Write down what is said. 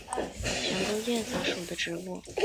梨叶悬钩子为蔷薇科悬钩子属的植物。